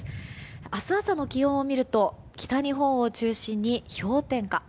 明日朝の気温を見ると北日本を中心に氷点下。